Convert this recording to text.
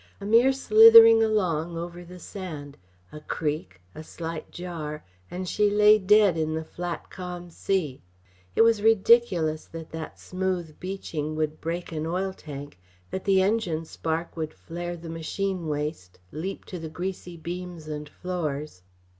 A mere slithering along over the sand, a creak, a slight jar, and she lay dead in the flat, calm sea it was ridiculous that that smooth beaching would break an oil tank, that the engine spark would flare the machine waste, leap to the greasy beams and floors.